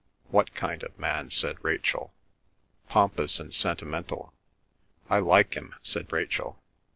"What kind of man?" said Rachel. "Pompous and sentimental." "I like him," said Rachel.